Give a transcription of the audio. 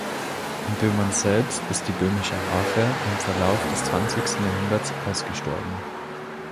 In Böhmen selbst ist die böhmische Harfe im Verlauf des zwanzigsten Jahrhunderts ausgestorben.